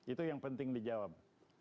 itu yang penting dijawab